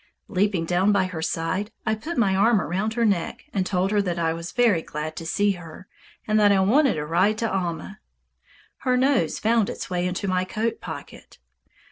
Leaping down by her side, I put my arm around her neck, and told her that I was very glad to see her, and that I wanted to ride to Alma. Her nose found its way into my coat pocket.